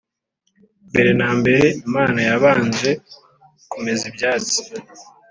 Mbere na mbere Imana yabanje kumeza ibyatsi